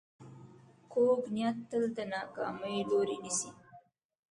کوږ نیت تل د ناکامۍ لوری نیسي